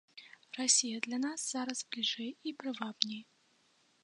Расія для нас зараз бліжэй і прывабней.